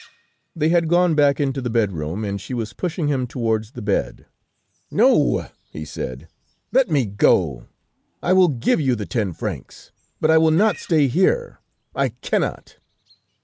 They had gone back into the bedroom, and she was pushing him towards the bed: "No," he said, "let me go. I will give you the ten francs, but I will not stay here; I cannot."